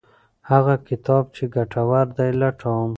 هغه کتاب چې ګټور دی لټوم.